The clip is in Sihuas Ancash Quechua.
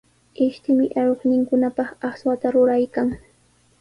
Ishtimi aruqninkunapaq aswata ruraykan.